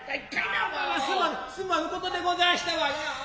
すまぬすまぬことでございましたわいナ。